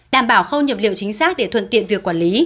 đảm bảo khâu nhập liệu chính xác để thuận tiện việc quản lý